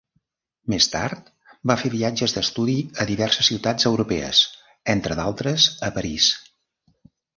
Més tard, va fer viatges d'estudi a diverses ciutats europees, entre d'altres a París.